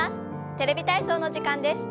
「テレビ体操」の時間です。